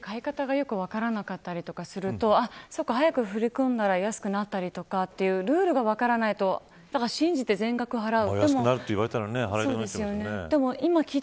正直、買い方がよく分からなかったりとかすると早く振り込んだら安くなったりとかというルールが分からないと信じて全額払う。